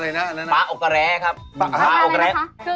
ปลาอกแกร้ครับปลาอะไรนะคะครึ่งปลาอะไรนะคะ